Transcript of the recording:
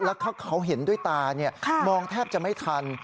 แล้วเขาเห็นด้วยตามองแทบจะไม่ทัน